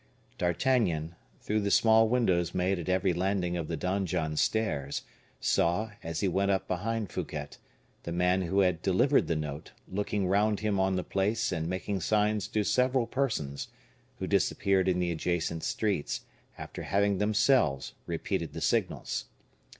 D'Artagnan, through the small windows made at every landing of the donjon stairs, saw, as he went up behind Fouquet, the man who had delivered the note, looking round him on the place and making signs to several persons, who disappeared in the adjacent streets, after having themselves repeated the signals.